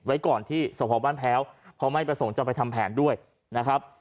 ไว้ก่อนที่สพบ้านแพ้วเพราะไม่ประสงค์จะไปทำแผนด้วยนะครับ